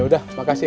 ya udah makasih ya